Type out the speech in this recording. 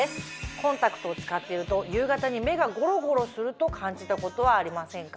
コンタクトを使っていると夕方に目がゴロゴロすると感じたことはありませんか？